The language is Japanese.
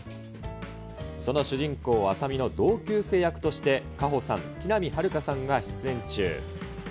その主人公、麻美の同級生役として、夏帆さん、木南晴夏さんが出演中。